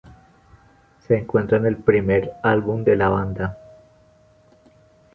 Se encuentra en el primer álbum de la banda.